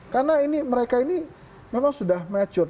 karena ini mereka ini memang sudah mature